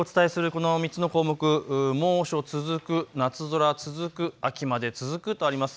この３つの項目猛暑続く、夏空続く、秋まで続くとあります。